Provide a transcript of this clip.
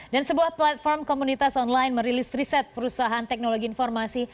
dan sebuah platform komunitas online merilis riset perusahaan teknologi informasi